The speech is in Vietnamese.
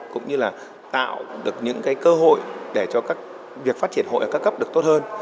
cũng như là tạo được những cơ hội để cho các việc phát triển hội ở các cấp được tốt hơn